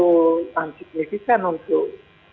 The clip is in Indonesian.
tidak signifikan untuk